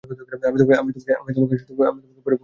আমি তোমাকে পরে ফোন করছি।